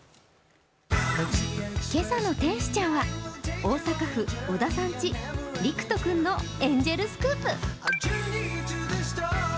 今朝の天使ちゃんは、大阪府小田さんち、陸斗君のエンジェルスクープ。